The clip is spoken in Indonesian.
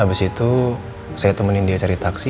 abis itu saya temenin dia cari taksi